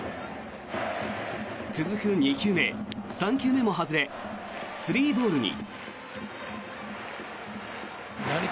続く２球目、３球目も外れ３ボールに。